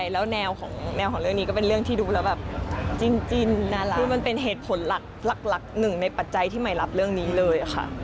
แล้วแนวของแนวของเรื่องนี้ก็เป็นเรื่องที่ดูแล้วแบบจริงน่ารักคือมันเป็นเหตุผลหลักหนึ่งในปัจจัยที่ใหม่รับเรื่องนี้เลยค่ะ